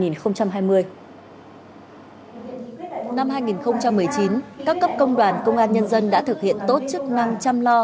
năm hai nghìn một mươi chín các cấp công đoàn công an nhân dân đã thực hiện tốt chức năng chăm lo